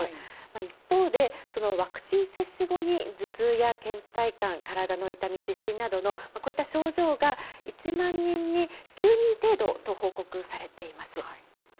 一方で、ワクチン接種後に頭痛やけん怠感、体の痛み、失神などのこういった症状が１万人に９人程度と報告されています。